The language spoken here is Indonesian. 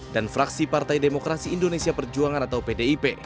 fraksi partai demokrasi indonesia perjuangan atau pdip